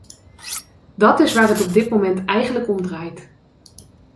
Dat is waar het op dit moment eigenlijk om draait.